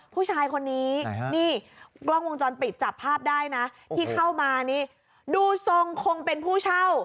ผู้ชายคนนี้นี่กล้องวงจรปิดจับภาพได้นะที่เข้ามานี่ดูทรงคงเป็นผู้เช่า